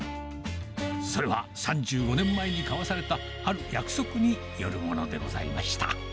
それは３５年前に交わされたある約束によるものでございました。